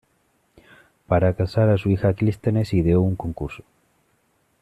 Para casar a su hija Clístenes ideó un concurso.